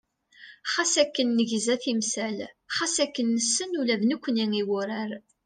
Xas akken negza timsal, xas akken nessen ula d nekkni i wurar.